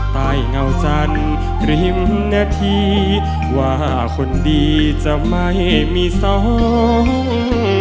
ใกล้เหงาจันริมนาทีว่าคนดีจะไม่มีสอง